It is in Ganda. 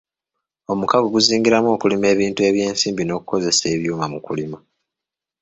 Omukago guzingiramu okulima ebintu ebyensimbi n'okukozesa ebyuma mu kulima.